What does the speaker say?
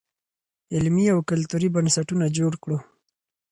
علمي او کلتوري بنسټونه جوړ کړو.